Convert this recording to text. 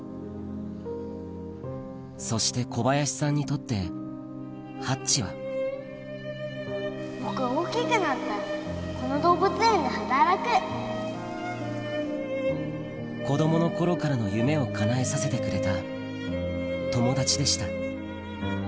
そして小林さんにとってハッチは僕大きくなったらこの動物園で働く子供の頃からの夢をかなえさせてくれた友達でした